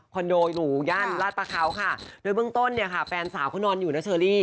โดอยู่ย่านราชประเขาค่ะโดยเบื้องต้นเนี่ยค่ะแฟนสาวเขานอนอยู่นะเชอรี่